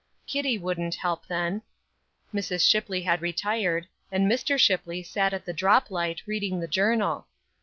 Kitty wouldn't help, then. Mrs. Shipley had retired, and Mr. Shipley sat at the drop light reading the journal.